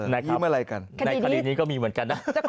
อะไรกันในคดีนี้ก็มีเหมือนกันนะ